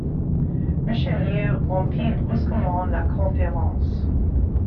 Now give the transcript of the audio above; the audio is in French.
Richelieu rompit brusquement la conférence.